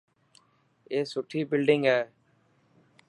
اي سٺي بلڊنگ هي.